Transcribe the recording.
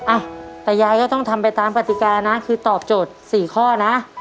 อ่ะแต่ยายก็ต้องทำไปตามกติกานะคือตอบโจทย์๔ข้อนะ